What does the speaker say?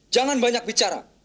jangan banyak bicara